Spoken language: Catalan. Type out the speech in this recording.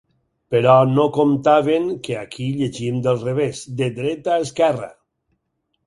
Però no comptaven que aquí llegim del revés, de dreta a esquerra!